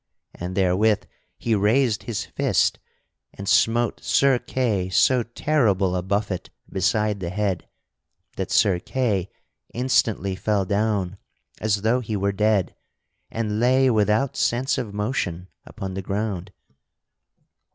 and therewith he raised his fist and smote Sir Kay so terrible a buffet beside the head that Sir Kay instantly fell down as though he were dead and lay without sense of motion upon the ground.